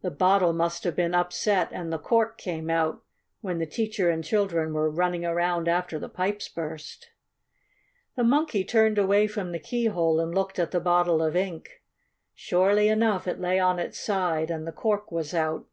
The bottle must have been upset and the cork came out when the teacher and children were running around after the pipes burst." The Monkey turned away from the keyhole and looked at the bottle of ink. Surely enough, it lay on its side, and the cork was out.